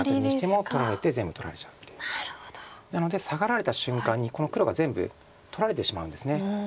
なのでサガられた瞬間にこの黒が全部取られてしまうんです。